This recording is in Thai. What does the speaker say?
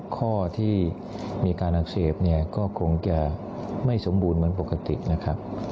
ข้อที่มีการอักเสบเนี่ยก็คงจะไม่สมบูรณ์เหมือนปกตินะครับ